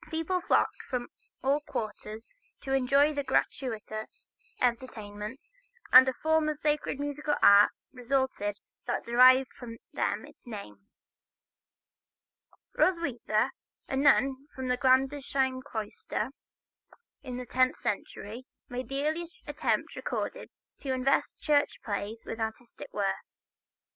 People flocked from all quarters to enjoy the gratuitous entertainments, and a form of sacred musical art resulted that derived from them its name. Roswitha, a nun of the Gandersheim cloister, in the tenth century, made the earliest attempt recorded to invest church plays with artistic worth.